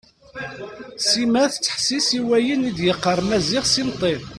Sima tettḥessis i wayen d-yeqqar Maziɣ s imeṭṭi.